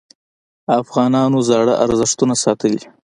افغانانو زاړه ارزښتونه ساتلي.